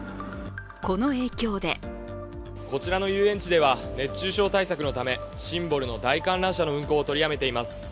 この影響でこちらの遊園地では熱中症対策のためシンボルの大観覧車の運行を取りやめています。